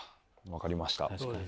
分かりました。